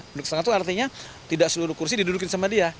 duduk setengah itu artinya tidak seluruh kursi didudukin sama dia